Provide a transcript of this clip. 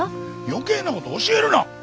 余計なことを教えるな。